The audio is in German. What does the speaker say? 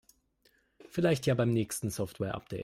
Vielleicht ja beim nächsten Softwareupdate.